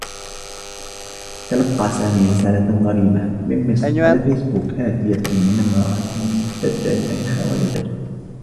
تلقى سامي رسالة غريبة من مصر على فيسبوك آتية من امرأة تدعي أنها والدته.